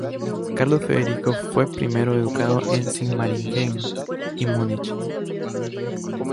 Carlos Federico fue primero educado en Sigmaringen y Múnich.